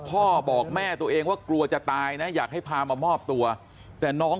พ่อบอกแม่ตัวเองว่ากลัวจะตายนะอยากให้พามามอบตัวแต่น้อง